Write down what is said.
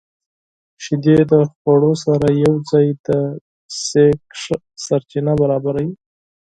• شیدې د خوړو سره یوځای د انرژۍ ښه سرچینه برابروي.